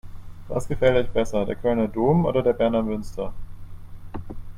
Was gefällt euch besser: Der Kölner Dom oder der Berner Münster?